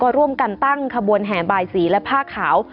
ร่วมกันตั้งขบวนแห่บายสีและผ้าขาว